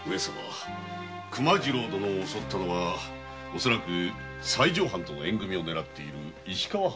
熊次郎殿を襲ったのは恐らく西条藩との縁組みをねらっている石川藩の者かと。